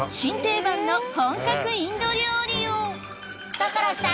所さん